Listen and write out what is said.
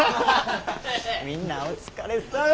みんなお疲れさん。